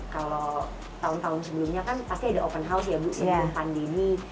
kalau tahun tahun sebelumnya kan pasti ada open house ya bu sebelum pandemi